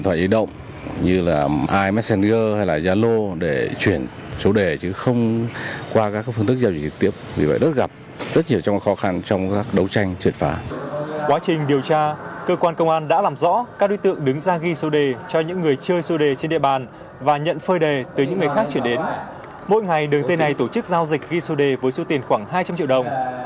mỗi ngày đường dây này tổ chức giao dịch ghi số đề với số tiền khoảng hai trăm linh triệu đồng